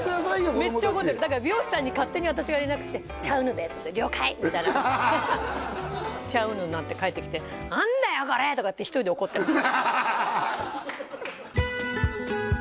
子供達めっちゃ怒ってるだから美容師さんに勝手に私が連絡して「チャ・ウヌで」って言うと「了解」みたいなチャ・ウヌになって帰ってきて「何だよこれ！」とかって１人で怒ってます